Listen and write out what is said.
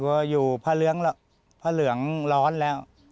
ไม่อยากให้มองแบบนั้นจบดราม่าสักทีได้ไหม